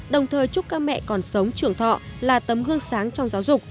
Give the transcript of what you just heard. đồng thời chúc các mẹ còn sống trưởng thọ là tấm gương sáng trong giáo dục